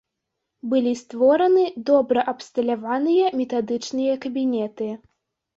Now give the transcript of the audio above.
Былі створаны добра абсталяваныя метадычныя кабінеты.